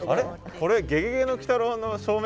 これ「ゲゲゲの鬼太郎」の証明